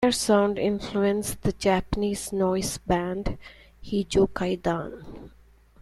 Their sound influenced the Japanese noise band Hijokaidan.